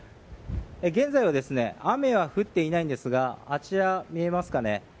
現在は雨は降っていないんですがあちら、見えますかね。